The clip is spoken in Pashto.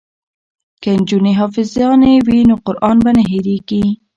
که نجونې حافظانې وي نو قران به نه هیریږي.